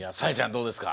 どうですか？